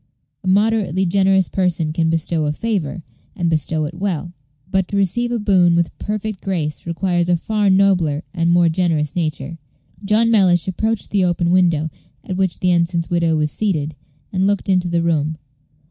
A moderately generous person can bestow a favor, and bestow it well; but to receive a boon with perfect grace requires a far nobler and more generous nature. John Mellish approached the open window at which the ensign's widow was seated, and looked into the room.